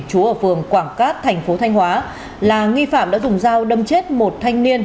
chú ở phường quảng cát thành phố thanh hóa là nghi phạm đã dùng dao đâm chết một thanh niên